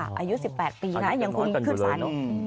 อายุ๑๘ปีนะอย่างคุณคือศาล